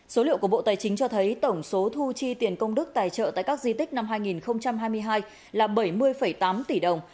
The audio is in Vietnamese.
số liệu của bộ tài chính cho thấy tổng số thu chi tiền công đức tài trợ tại các di tích năm hai nghìn hai mươi hai là bảy mươi tám tỷ đồng